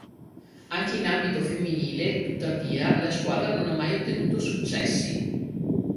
Anche in ambito femminile, tuttavia, la squadra non ha mai ottenuto successi.